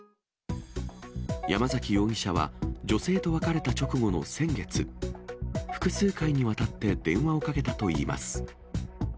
山崎容疑者は、女性と別れた直後の先月、複数回にわたって電話をかけたといいます。